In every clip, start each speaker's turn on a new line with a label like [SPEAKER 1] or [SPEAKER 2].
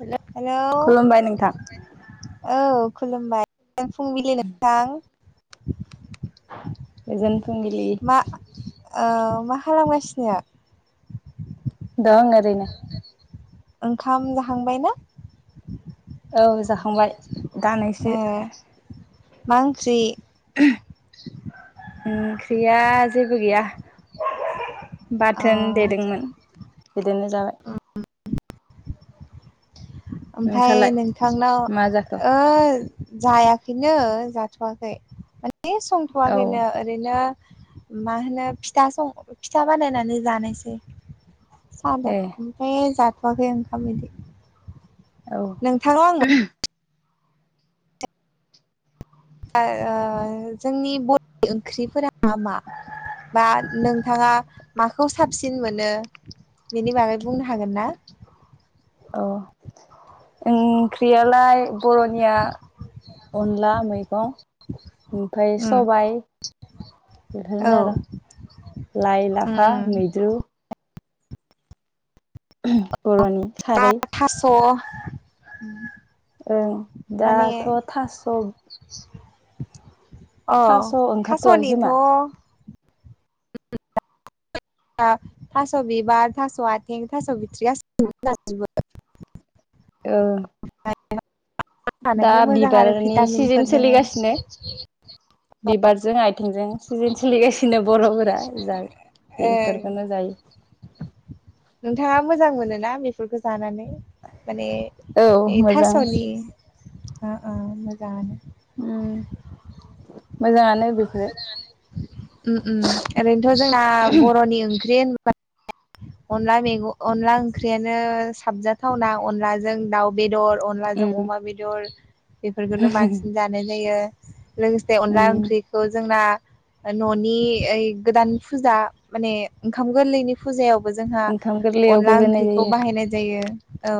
[SPEAKER 1] हेल' खुलुमबाय
[SPEAKER 2] हेल'
[SPEAKER 1] नोंथां
[SPEAKER 2] औ खुलुमबाय। द फुंबिलि नोंथां।
[SPEAKER 1] गोजोन फुंबिलि
[SPEAKER 2] ओ‌ मा खालामगासिनो
[SPEAKER 1] दंं ओरैनो
[SPEAKER 2] ओंखाम जाखांबाय ना।
[SPEAKER 1] औ जाखांबाय। दानैसो
[SPEAKER 2] ए मा ओंख्रि।
[SPEAKER 1] ओंख्रिया जेबो गैया।
[SPEAKER 2] अ
[SPEAKER 1] बाथोन देदोंमोन बिजोंनो जाबाय।
[SPEAKER 2] ओमफाय
[SPEAKER 1] नोंसालाय
[SPEAKER 2] नोंथांनाव
[SPEAKER 1] मा जाखो
[SPEAKER 2] ओ जायाखै बिदिनो जाथ'वाखै माने
[SPEAKER 1] औ
[SPEAKER 2] संथ'वाखैनो। ओरैनो मा होनो फिथा सं फिथा बानायनानै जानोसै। साहादों
[SPEAKER 1] ए
[SPEAKER 2] ओमफ्राय जाथ'वाखै ओंखाम बिदि
[SPEAKER 1] औ
[SPEAKER 2] नोंथांनाव आं ओ जोंनि बर'नि ओंख्रिफोरा मा मा? बा नोंथाङा माखौ साबसिन मोनो? बेनि बागै बुंनो हागोन ना?
[SPEAKER 1] औ ओंख्रियालाय बर'निया अनला मैगं ओमफ्राय
[SPEAKER 2] उम
[SPEAKER 1] सबाइ
[SPEAKER 2] औ
[SPEAKER 1] बेफोरनो आरो लाइ, लाफा मैद्रु बर'नि
[SPEAKER 2] आ
[SPEAKER 1] खारै
[SPEAKER 2] थास' [unintelligible]
[SPEAKER 1] ओं
[SPEAKER 2] माने
[SPEAKER 1] दाथ' थास'
[SPEAKER 2] अ'
[SPEAKER 1] थास' ओंखारथ'वाखै
[SPEAKER 2] थास'निथ'
[SPEAKER 1] खोमा
[SPEAKER 2] थास' बिबार, थास' आथिं, थास' बिथ्रि गासिखौबो जाजोबो।
[SPEAKER 1] ओ दा
[SPEAKER 2] थानायखाय मोजां आरो
[SPEAKER 1] बिबारनि
[SPEAKER 2] भिटामिनफोर
[SPEAKER 1] सिजोन
[SPEAKER 2] दोङो
[SPEAKER 1] सोलिगासिनो बिबारजों आथिंजों सिजेन सोलिगासिनो बर'फोरा जा
[SPEAKER 2] ओ
[SPEAKER 1] बेफोरखौनो जायो।
[SPEAKER 2] नोंथाङा मोजां मोनोना बेफोरखौ जानानै? माने
[SPEAKER 1] औ
[SPEAKER 2] बे
[SPEAKER 1] मोजां
[SPEAKER 2] थास'नि ओ ओ मोजाङानो।
[SPEAKER 1] ओम
[SPEAKER 2] ओम ओम ओरैनोथ' जोंना बर'नि ओंख्रि होनबा
[SPEAKER 1] [inaudible]
[SPEAKER 2] अनला मैगं अनला ओंख्रियानो साबजाथावना अनलाजों दाउ बेदर अनलाजों
[SPEAKER 1] उम
[SPEAKER 2] अमा बेदर बेफोरखौनो बांसिन जानाय जायो। लोगोसे अनला
[SPEAKER 1] उम
[SPEAKER 2] ओंख्रि ओ जोंना न'नि ओइ गोदान फुजा माने ओंखाम गोरलैनि फुजायावबो जोंहा
[SPEAKER 1] ओंखाम गोरलैयावबो
[SPEAKER 2] अनला
[SPEAKER 1] होनाय
[SPEAKER 2] ओंख्रिखौ
[SPEAKER 1] जायो आरो
[SPEAKER 2] बाहायनाय जायो औ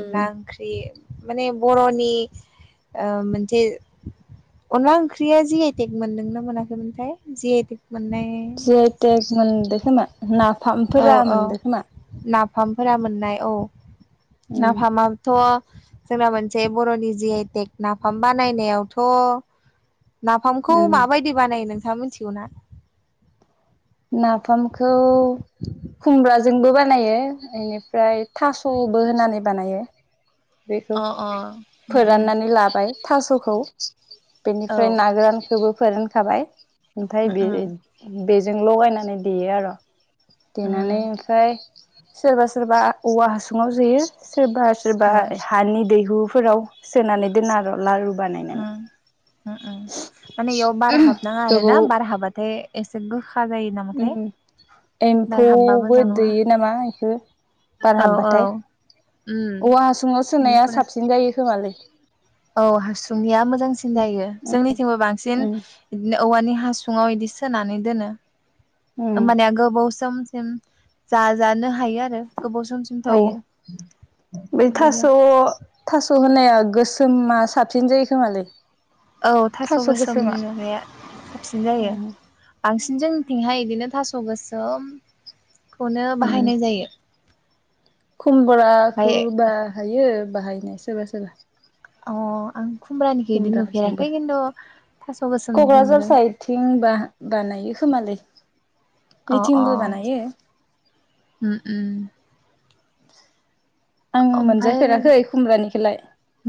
[SPEAKER 2] अनला
[SPEAKER 1] उम
[SPEAKER 2] ओंख्रि माने बर'नि ओ मोनसे अनला ओंख्रिया जि टेक मोनदोंना मोनाखैमोनथाय जि आइ टेक मोननाय
[SPEAKER 1] जि आइ टेक मोनदों खोमा
[SPEAKER 2] औ
[SPEAKER 1] नाफामफोरा
[SPEAKER 2] औ
[SPEAKER 1] मोनदों खोमा
[SPEAKER 2] नाफामफोरा मोननाय औ
[SPEAKER 1] उम
[SPEAKER 2] नाफामा थ' जोंना मोनसे बर'नि जि आइ टेक नाफाम बानायनायावथ' फामखौ
[SPEAKER 1] उम
[SPEAKER 2] माबायदि बानायो नोंथाङा मिथिगौ ना?
[SPEAKER 1] नाफामखौ खुमब्राजोंबो बानायो बेनिफ्राय थास'बो होनानै बानायो बेखौ
[SPEAKER 2] अ अ उम उम
[SPEAKER 1] फोराननानै लाबाय थास'खौ
[SPEAKER 2] औ
[SPEAKER 1] बेनिफ्राय ना गोरानखौबो फोरानखाबाय ओमफ्राय
[SPEAKER 2] उम
[SPEAKER 1] बे
[SPEAKER 2] उम
[SPEAKER 1] बेजों लगायनानै देयो आरो देनानै
[SPEAKER 2] अ
[SPEAKER 1] ओमफ्राय सोरबा सोरबा औवा हासुङाव सोयो सोरबा सोरबा हानि दैहुफोराव सोनानै दोनो आरो लारु बानायनानै।
[SPEAKER 2] ओ ओ माने बेयाव बार हाबनाङा आरो
[SPEAKER 1] गोबाव
[SPEAKER 2] ना बार हाबबाथाय एसे गोखा जायो। नामाथाय
[SPEAKER 1] उम
[SPEAKER 2] बार हाबबा
[SPEAKER 1] एम्फौबो
[SPEAKER 2] मोजां नङा
[SPEAKER 1] दैयो नामा बेखौ बार
[SPEAKER 2] औ औ
[SPEAKER 1] हाबबाथाय
[SPEAKER 2] उम
[SPEAKER 1] औवा हासुङाव सोनाया
[SPEAKER 2] इनिफ्राय
[SPEAKER 1] साबसिन जायो खोमालै
[SPEAKER 2] औ हासुंनिया मोजांसिन जायो जोंनिथिंबो बांसिन
[SPEAKER 1] उम
[SPEAKER 2] बिदिनो औवानि हासुङाव इदि सोनानै दोनो।
[SPEAKER 1] उम
[SPEAKER 2] होमबानेया गोबाव समसिम जाजानो हायो आरो गोबाव समसिम
[SPEAKER 1] औ
[SPEAKER 2] थायो
[SPEAKER 1] बै थास'
[SPEAKER 2] बिदिनो
[SPEAKER 1] थास' होनाया गोसोमा साबसिन जायो खोमालै
[SPEAKER 2] औ थास' गोसोमनि नुनाया साबसिन जायो
[SPEAKER 1] उम
[SPEAKER 2] बांसिन जोंनिथिंहाय बिदिनो थास' गोसोमखौनो बाहायनाय जायो
[SPEAKER 1] खमबराखौ
[SPEAKER 2] ओमफ्राय
[SPEAKER 1] बाहायो बाहायनाय सोरबा सोरबा
[SPEAKER 2] अ आं खुमब्रानिखौ बिदि
[SPEAKER 1] खुमब्राजोंबो
[SPEAKER 2] नुफेराखै खिन्थु थास' गोसोमनिखौ नुदों
[SPEAKER 1] थें बा बानायो खोमालै
[SPEAKER 2] अ अ
[SPEAKER 1] नैथिंबो बानायो
[SPEAKER 2] ओम ओम
[SPEAKER 1] आं
[SPEAKER 2] ओमफ्राय अ
[SPEAKER 1] मोनजाफेराखै खुमब्रानिखौलाय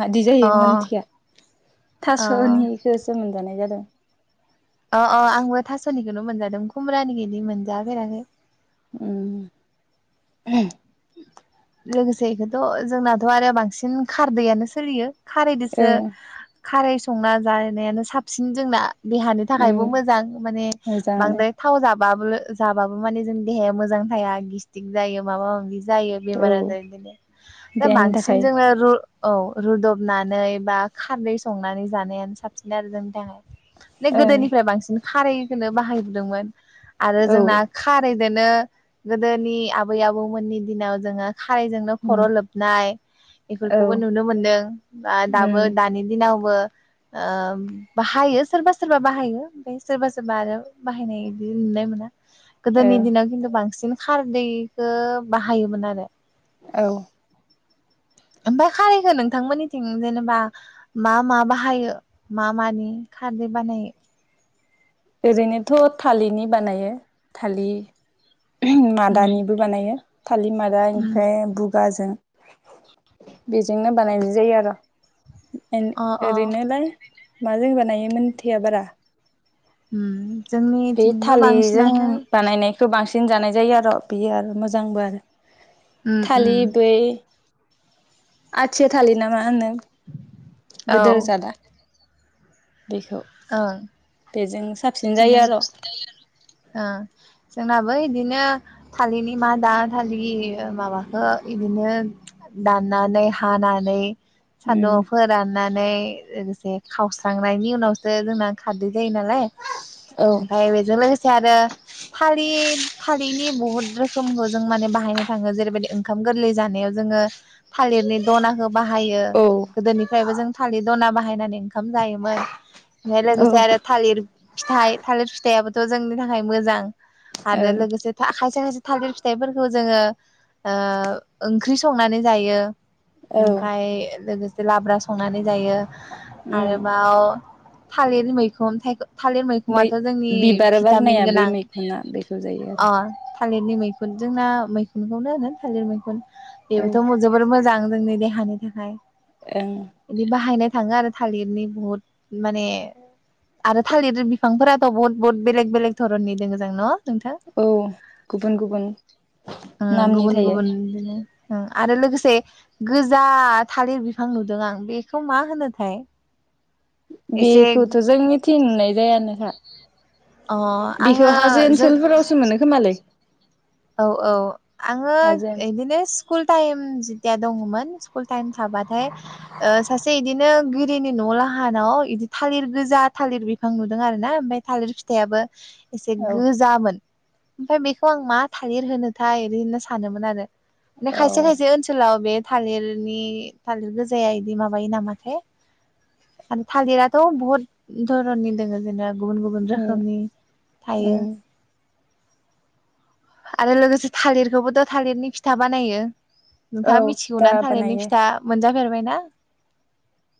[SPEAKER 1] मादि जायो मोनथिया
[SPEAKER 2] अ
[SPEAKER 1] थास'निखौसो मोनजानाय जादों
[SPEAKER 2] अ अ आंबो थास'निखौनो मोनजादों खुमब्रानि इदि मोनजाफेराखै
[SPEAKER 1] ओम
[SPEAKER 2] लोगोसे बेखौथ' जोंनाथ' आरो बांसिन खारदैयानो सोलियो खारैजोंसो
[SPEAKER 1] ओं
[SPEAKER 2] खारै संना जानायानो साबसिन जोंना देहानि
[SPEAKER 1] उम
[SPEAKER 2] थाखायबो मोजां माने
[SPEAKER 1] मोजाङानो
[SPEAKER 2] बांद्राय थाव जाबाबो जाबाबो माने जोंनि देहाया मोजां थाया गेस्टिक जायो माबा माबि जायो
[SPEAKER 1] औ
[SPEAKER 2] बेमार आजार बिदिनो दा
[SPEAKER 1] देहानि
[SPEAKER 2] बांसिन
[SPEAKER 1] थाखाय
[SPEAKER 2] जोङो रु औ रुदबनानै बा खारदै संनानै जानायानो साबसिन आरो जोंनि थाखाय बे
[SPEAKER 1] ओं
[SPEAKER 2] गोदोनिफ्राय बांसिन खारैखौनो बाहायबोदोंमोन आरो
[SPEAKER 1] औ
[SPEAKER 2] जोंना खारैदोनो गोदोनि आबै आबौमोननि दिनाव जोङो खारैजोंनो खर'
[SPEAKER 1] उम
[SPEAKER 2] लोबनाय
[SPEAKER 1] औ
[SPEAKER 2] इफोरखौबो नुनो मोनदों बा दाबो
[SPEAKER 1] उम
[SPEAKER 2] दानि दिनावबो ओ बाहायो सोरबा सोरबा बाहायो ओमफ्राय सोरबा सोरबा आरो बाहायनाय बिदि नुनाय मोना
[SPEAKER 1] औ
[SPEAKER 2] गोदोनि दिनाव खिन्थु बांसिन खारदैखौ बाहायोमोन आरो
[SPEAKER 1] औ
[SPEAKER 2] ओमफाय खारैखौ नोंथांमोननिथिं जेनेबा मा मा बाहायो मा मानि खारदै बानायो
[SPEAKER 1] ओरैनोथ' थालिनि बानायो थालि
[SPEAKER 2] उम
[SPEAKER 1] मादानिबो बानायो थालिमादा
[SPEAKER 2] उम
[SPEAKER 1] ओमफ्राय बुगाजों बेजोंनो बानायनाय जायो आरो एन
[SPEAKER 2] अ अ
[SPEAKER 1] ओरैनोलाय माजों बानायोमोन [unintelligible] बारा
[SPEAKER 2] होम
[SPEAKER 1] बे थालिजों बानायनाय खो बांसिन जानाय जायो आर' बियो आरो मोजांबो आरो थालि
[SPEAKER 2] औ
[SPEAKER 1] बै आथिया थालि नामा होनो
[SPEAKER 2] औ
[SPEAKER 1] गोदोर जादा बेखौ
[SPEAKER 2] ओं
[SPEAKER 1] बेजों साबसिन
[SPEAKER 2] बिदिनो
[SPEAKER 1] जायो आर
[SPEAKER 2] ओ जोंनाबो इदिनो थालिनि मादा थालि माबाखो इबिनो दाननानै हानानै
[SPEAKER 1] उम
[SPEAKER 2] सान्दुंआव फोराननानै लोगोसे खावस्रांनायनि उनाव सो जोंना खारदै जायो नालाय
[SPEAKER 1] औ
[SPEAKER 2] ओमफ्राय बेजों लोगोसे आरो फालि थालिनि बहत रोखोमखौ जों माने बाहायनाय थाङो जेरैबायदि ओंखाम गोरलै जानायाव जोङो थालिरनि दनाखौ बाहायो
[SPEAKER 1] औ
[SPEAKER 2] गोदोनिफ्रायबो जों थालिर दना बाहायनानै ओंखाम जायोमोन ओमफ्राय
[SPEAKER 1] औ
[SPEAKER 2] लोगोसे आरो थालिर फिथाइ थालिर फिथायाबोथ' जोंनि थाखाय मोजां आरोे
[SPEAKER 1] ओं
[SPEAKER 2] लोगोसे था खायसे खायसे थालिर फिथाइफोरखौ जोङो ओ ओंख्रि संनानै जायो
[SPEAKER 1] औ
[SPEAKER 2] ओमफ्राय लोगोसे लाब्रा संनानै जायो
[SPEAKER 1] उम
[SPEAKER 2] आरोबाव थालिरनि मैखुन थालिर
[SPEAKER 1] मै
[SPEAKER 2] मैखुनाथ' जोंनि
[SPEAKER 1] बिबार
[SPEAKER 2] भिटामिन
[SPEAKER 1] बारनाया बै
[SPEAKER 2] गोनां
[SPEAKER 1] मैखुना बेखौ जायो आरो
[SPEAKER 2] अ थालिरनि मैखुन जोंना मैखुनखौनो होनो थालिर मैखुन
[SPEAKER 1] औ
[SPEAKER 2] बेबोथ' मो जोबोर मोजां जोंनि देहानि थाखाय
[SPEAKER 1] ओं
[SPEAKER 2] इदि बाहायनाय थाङो आरो थालिरनि बहत माने आरो थालिर बिफांफोराथ' बहुत बहुत बेलेग बेलेग धरननि दोङो जां न नोंथां
[SPEAKER 1] औ गुबुन गुबुन
[SPEAKER 2] ओम
[SPEAKER 1] नामनि
[SPEAKER 2] गुबुन
[SPEAKER 1] थायो
[SPEAKER 2] गुबुन इदिनो ओम आरो लोगोसे गोजा थालिर बिफां नुदों आं बेखौ मा होनोथाय एसे
[SPEAKER 1] बेखौथ' जोंनिथिं नुनाय जायानोखा
[SPEAKER 2] अ आङो
[SPEAKER 1] बिखौ हाजो
[SPEAKER 2] जों
[SPEAKER 1] ओनसोलफोरावसो मोनो खोमालै
[SPEAKER 2] औ औ आङो
[SPEAKER 1] हाजो ओनसोल
[SPEAKER 2] इदिनो स्कुल टाइम जितिया दङमोन स्कुल टाइम थाबाथाय ओ सासे इदिनो गिरिनि न' लाहानाव बिदि थालिर गोजा थालिर बिफां नुदों आर ना ओमफ्राय थालिर फिथायाबो एसे गोजामोन ओमफ्राय बेखौ आं मा थालिर होनोथाय ओरै होनना सानोमोन आरो
[SPEAKER 1] औ
[SPEAKER 2] खायसे खायसे ओनसोलाव बे थालिरनि थालिर गोजाया इदि माबायो नामाथाय आरो थालिराथ' बहद धरननि दोङो जेनेबा गुबुन गुबुन
[SPEAKER 1] उम
[SPEAKER 2] रोखोमनि
[SPEAKER 1] उम
[SPEAKER 2] थायो आरो लोगोसे थालिरखौबोथ' थालिरनि फिथा बानायो
[SPEAKER 1] औ
[SPEAKER 2] नोंथाङा
[SPEAKER 1] फिथा
[SPEAKER 2] मिथिगौना थालिरनि
[SPEAKER 1] बानायो
[SPEAKER 2] फिथा मोनजा फेरबायना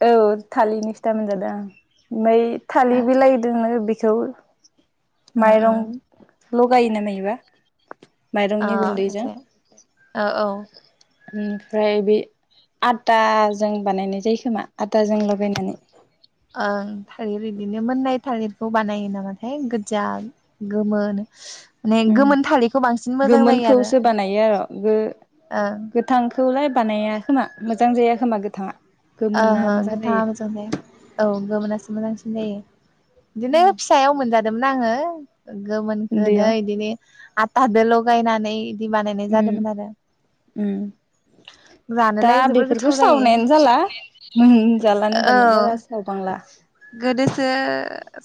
[SPEAKER 1] औ थालिरनि फिथा मोनजादों आं ओमफ्राय थालिर बिलाइदोनो बेखौ
[SPEAKER 2] ओ ओ
[SPEAKER 1] माइरं लगायो नामा माब्रैबा
[SPEAKER 2] ओ
[SPEAKER 1] माइरंनि गुन्दैजों।
[SPEAKER 2] एसे औ औ
[SPEAKER 1] ओमफ्राय बे आथाजों बानायनाय जायो खोमा। आदाजों लगायनानै
[SPEAKER 2] ओं थालिर बिदिनो मोननाय थालिरखौ बानायो नामाथाय गोजा गोमो माने
[SPEAKER 1] उम
[SPEAKER 2] गोमोन थालिरखौ बांसिन मोजां जायो आरो
[SPEAKER 1] गोमोनखौसो बानायो आरो गो
[SPEAKER 2] ओ।
[SPEAKER 1] गोथांखौलाय बानाया खोमा मोजां जाया खोमा गोथाङा। गोमोना
[SPEAKER 2] ओंहो
[SPEAKER 1] मोजां
[SPEAKER 2] गोथाङा
[SPEAKER 1] जायो
[SPEAKER 2] मोजां जाया। औ गोमोनासो मोजांसिन जायो। बिदिनो फिसायाव मोनजादोंमोन आङो। गोमोनखौनो
[SPEAKER 1] उन्दैयाव
[SPEAKER 2] बिदिनो आथादों लगायनानै बिदि बानायनाय जादोंमोन आरो।
[SPEAKER 1] ओम।
[SPEAKER 2] जानोलाय जोबोर गोथाव जायो।
[SPEAKER 1] ओम जालानो
[SPEAKER 2] औ
[SPEAKER 1] दानिया बारा सावबांला।
[SPEAKER 2] गोदोसो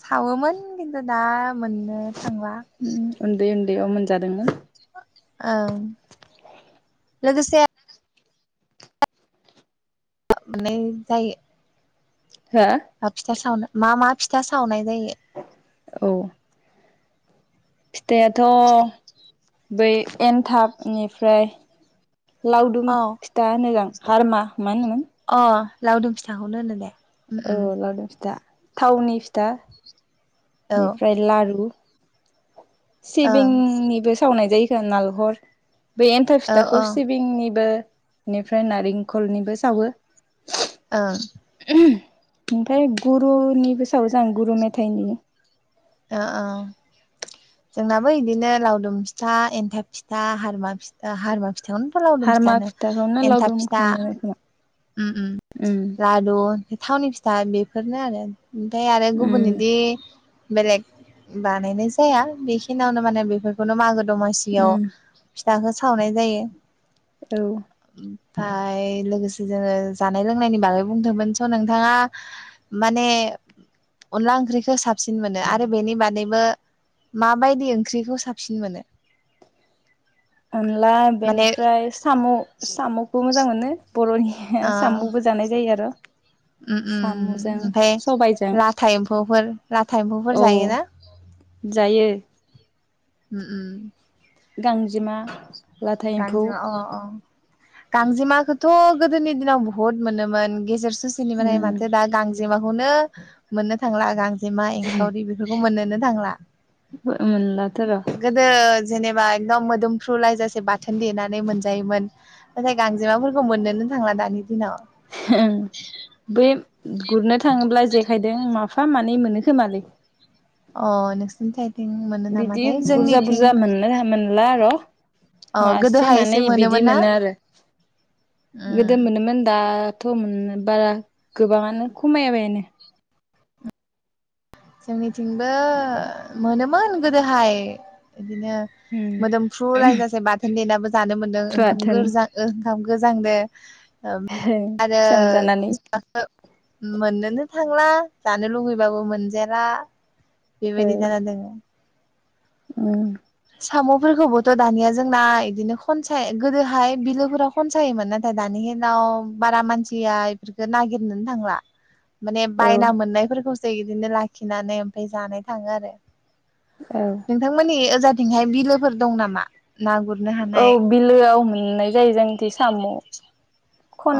[SPEAKER 2] सावोमोन खिन्थु दा मोननो थांला।
[SPEAKER 1] उन्दै उन्दैयाव मोनजादोंमोन।
[SPEAKER 2] ओं लोगोसे [unintelligible] जायो।
[SPEAKER 1] हो।
[SPEAKER 2] ओ फिथा सावनो मा मा फिथा सावनाय जायो।
[SPEAKER 1] औ। फिथायाथ' बै एनथाबनिफ्राय। लावदुम
[SPEAKER 2] अ
[SPEAKER 1] फिथा मोजां हारमा मा होनोमोन
[SPEAKER 2] अ' लावदुम फिथाखौनो होनो दे उम
[SPEAKER 1] औ
[SPEAKER 2] उम
[SPEAKER 1] लावदुम फिथा थावनि फिथा
[SPEAKER 2] औ
[SPEAKER 1] बेनिफ्राय लारु
[SPEAKER 2] ओं
[SPEAKER 1] सिबिंनिबो सावनाय जायो नारेंखल बे एन्थाब
[SPEAKER 2] औ
[SPEAKER 1] फिथाखौ
[SPEAKER 2] ओं
[SPEAKER 1] सिबिंनिबो बेनिफ्राय नारेंखलनिबो सावो।
[SPEAKER 2] ओं।
[SPEAKER 1] ओमफ्राय गुरुनिबो सावयो जों गुरु मेथाइनि।
[SPEAKER 2] ओं ओं। जोंनाबो बिदिनो लावदुम फिथा, एन्थाब फिथा, हरमा फिथा,। फिथाखौनोथ' लावदुम फिथा
[SPEAKER 1] हारमा
[SPEAKER 2] होनो
[SPEAKER 1] फिथाखौनो
[SPEAKER 2] एन्थाब फिथा
[SPEAKER 1] लावदुमखौनो खोमा
[SPEAKER 2] ओम ओम
[SPEAKER 1] उम
[SPEAKER 2] लारु थावनि फिथा बेफोरनो आरो। ओमफ्राय आरो गुबुन
[SPEAKER 1] उम
[SPEAKER 2] बिदि बेलेग बानायनाय जाया बेखिनियावनो माने बेफोरखौ बेखौनो मागो दमासियाव
[SPEAKER 1] उम
[SPEAKER 2] फिथाखौ सावनाय जायो।
[SPEAKER 1] औ।
[SPEAKER 2] ओमफाय लोगोसे। जोङो जानाय लोंनायनि बागै बुंदोंमोन स' नोंथाङा माने। अनला ओंख्रिखौ साबसिन मोनो आरो बेनि बादैबो माबायदि ओंख्रिखौ साबसिन मोनो
[SPEAKER 1] अनला
[SPEAKER 2] माने
[SPEAKER 1] बेनिफ्राय साम' साम' खौबो मोजां मोनो बर'नि साम'बो जानाय जायो आरो।
[SPEAKER 2] ओम
[SPEAKER 1] साम'जों
[SPEAKER 2] ओम। ओमफ्राय
[SPEAKER 1] सबायजों
[SPEAKER 2] लाथा एम्फौफोर लाथा एम्फौफोर
[SPEAKER 1] औ
[SPEAKER 2] जायोना?
[SPEAKER 1] जायो।
[SPEAKER 2] ओम ओम।
[SPEAKER 1] गांजेमा लाथा एम्फौ
[SPEAKER 2] गांजेमा अ' अ'। गांजेमाखौथ' गोदोनि दिनाव बुहुत मोनोमोन गेजेर ससेनिफ्राय
[SPEAKER 1] उम
[SPEAKER 2] माथो दा गांजेमा गांजेमाखौनो मोननो थांला गांजेमा एंखावरि बेफोरखौ मोननोनो थांला।
[SPEAKER 1] मोनला थ' आरो।
[SPEAKER 2] गोदो जेनेबा एकदम मोदोमफ्रुलायजासे बा थोन देनानै मोनजायोमोन नाथाय गांजेमाफोरखौ मोननोनो थांला दानि दिनाव
[SPEAKER 1] ओं बे गुरनो थाङोब्ला जेखायजों माफा मानै मोनो खोमालै
[SPEAKER 2] अ नोंसिनिथिं? मोनो
[SPEAKER 1] बिदि
[SPEAKER 2] नामाथाय
[SPEAKER 1] बुरजा
[SPEAKER 2] जोंनिथिं
[SPEAKER 1] बुरजा मोननो मोनला आर'
[SPEAKER 2] अ
[SPEAKER 1] मासे
[SPEAKER 2] गोदोहाय
[SPEAKER 1] मानै
[SPEAKER 2] एसे
[SPEAKER 1] बिदि
[SPEAKER 2] मोनोमोन ना
[SPEAKER 1] मोनो आरो गोदो
[SPEAKER 2] उम
[SPEAKER 1] मोनोमोन दा थ' मोननो बारा गोबाङानो खमायाबायानो
[SPEAKER 2] जोंनिथिंबो मोनोमोन गोदोहाय बिदिनो
[SPEAKER 1] उम
[SPEAKER 2] मोदोमफ्रुलायजासे बाथोन देनाबो जानो मोन्दों ओंखाम
[SPEAKER 1] बाथोन
[SPEAKER 2] गोजां ओंखाम गोजांदो ओम आरो
[SPEAKER 1] सोमजानानै
[SPEAKER 2] मोननोनो थांला जानो लुगैबाबो मोनजाला बेबायदि जाना दोङो
[SPEAKER 1] ओम
[SPEAKER 2] साम'फोरखौबोथ' दानिया जोंना इदिनो खनसाय गोदोहाय बिलोफोराव खनसायोमोन नाथाय दानि दिनाव बारा मानसिया इफोरखौ नागिरनोनो थांला
[SPEAKER 1] [unintelligible]
[SPEAKER 2] माने बायना मोननायफोरखौसो इदिनो लाखिनानै ओमफ्राय जानाय थाङो आरो
[SPEAKER 1] औ
[SPEAKER 2] नोंथांमोननि ओजाथिंहाय बिलोफोर दं नामा? ना गुरनो
[SPEAKER 1] औ
[SPEAKER 2] हानाय
[SPEAKER 1] बिलोआव मोननाय जायो जोंनिथिं साम'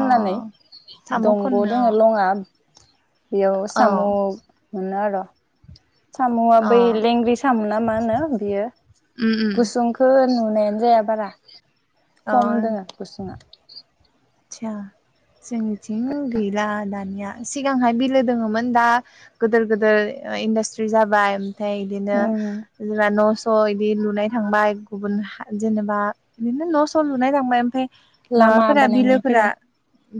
[SPEAKER 2] अ साम'
[SPEAKER 1] दंग'
[SPEAKER 2] खननो
[SPEAKER 1] दोङो लङा बेयाव
[SPEAKER 2] अ औ
[SPEAKER 1] साम' मोनो आर' साम'आ
[SPEAKER 2] अ
[SPEAKER 1] बै लेंग्रि साम' ना मा होनो बियो
[SPEAKER 2] उम उम
[SPEAKER 1] गुसुं ओहो नुनायानो जाया बारा
[SPEAKER 2] अ
[SPEAKER 1] खम दोङो गुसुङा
[SPEAKER 2] आदसा जोंनिथिं गैला दानिया सिगांहाय बिलो दोङोमोन दा गोदोर गोदोर इन्डास्ट्रि जाबाय ओमफ्राय बिदिनो
[SPEAKER 1] उम
[SPEAKER 2] जोंना न'स' इदि लुनाय थांबाय गुबुन हा जेनेबा बिदिनो न' स' लुनायलांबाय ओमफाय
[SPEAKER 1] लामा
[SPEAKER 2] माबाफोरा बिलो
[SPEAKER 1] बानायनायफोराव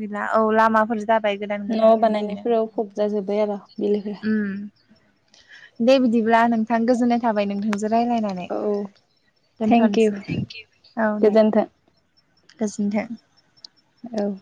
[SPEAKER 2] गैला औ लामाफोर जाबाय गोदान
[SPEAKER 1] न'
[SPEAKER 2] गोदान बिदिनो
[SPEAKER 1] बानायनायफोराव फबजाजोब्बाय आरो बिलोफोरा
[SPEAKER 2] ओम दे बिदिब्ला नोंथां गोजोन्नाय थाबाय नोंथां नोंजों रायलायनानै
[SPEAKER 1] औ थेंक इउ
[SPEAKER 2] दोनथ'नोसै औ दे
[SPEAKER 1] गोजोन्थों
[SPEAKER 2] गोजोन्थों
[SPEAKER 1] औ